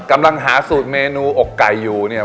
กำลังหาสูตรเมนูอกไก่อยู่เนี่ย